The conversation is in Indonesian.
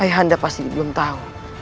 ayahanda pasti belum tahu